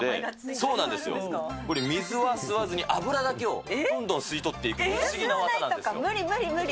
そうなんですよ、これ水は吸わずに油だけをどんどん吸い取ってい無理無理無理。